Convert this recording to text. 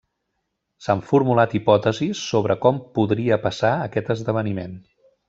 S'han formulat hipòtesis sobre com podria passar aquest esdeveniment.